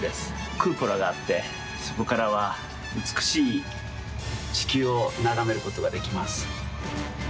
クーポラがあってそこからはうつくしいちきゅうをながめることができます。